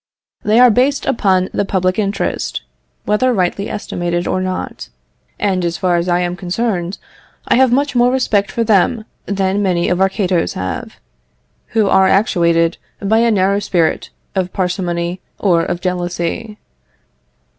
They are based upon the public interest, whether rightly estimated or not; and as far as I am concerned, I have much more respect for them than many of our Catos have, who are actuated by a narrow spirit of parsimony or of jealousy.